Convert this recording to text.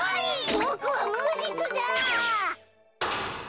ボクはむじつだ！